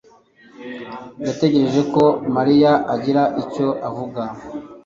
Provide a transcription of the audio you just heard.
yategereje ko Mariya agira icyo avuga.